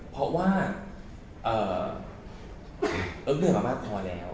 เพราะว่าเอิ๊กเหนื่อยมากพอแล้ว